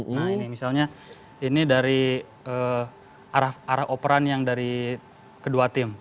nah ini misalnya ini dari arah operan yang dari kedua tim